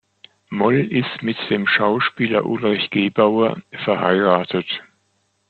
Moll ist mit dem Schauspieler Ulrich Gebauer verheiratet.